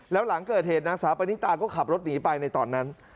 แล้วหลังเกิดเหตุนางสาวปณิตาก็ขับรถหนีไปในตอนนั้น